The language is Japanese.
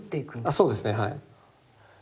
あそうですねはい。